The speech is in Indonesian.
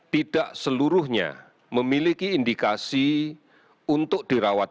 tidak seluruhnya memiliki indikasi untuk dirawat